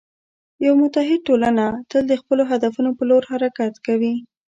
یوه متعهد ټولنه تل د خپلو هدفونو په لور حرکت کوي.